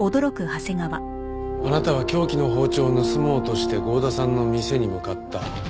あなたは凶器の包丁を盗もうとして剛田さんの店に向かった。